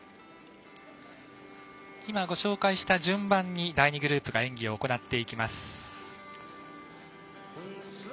今ご紹介した順番に第２グループが演技を行っていきます。